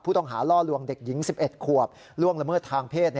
ต้องล่อลวงเด็กหญิง๑๑ขวบล่วงละเมิดทางเพศ